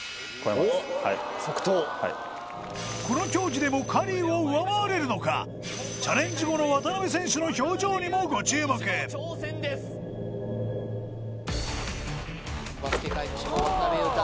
即答この競技でもカリーを上回れるのかチャレンジ後の渡邊選手の表情にもご注目バスケ界の至宝渡邊雄太